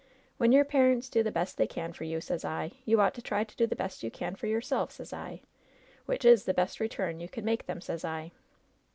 When your parents do the best they can for you, sez I, you ought to try to do the best you can for yourself, sez I, which is the best return you can make them, sez I.'